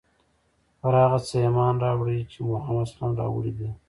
پر هغه څه ایمان راوړی چې محمد ص راوړي دي.